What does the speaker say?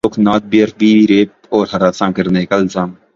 سنسکاری الوک ناتھ پر بھی ریپ اور ہراساں کرنے کا الزام